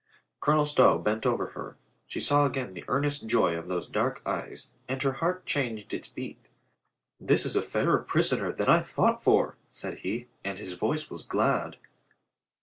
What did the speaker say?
Colonel Stow bent over her. She saw again the earnest joy of those dark eyes and her heart changed its beat. "This is a fairer prisoner than I thought for," said he, and his voice was glad.